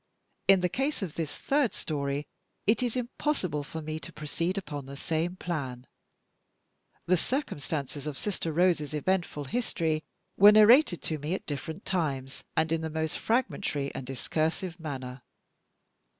In the case of this third story, it is impossible for me to proceed upon the same plan. The circumstances of "Sister Rose's" eventful history were narrated to me at different times, and in the most fragmentary and discursive manner.